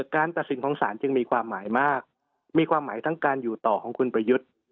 การตัดสินของศาลจึงมีความหมายมากมีความหมายทั้งการอยู่ต่อของคุณประยุทธ์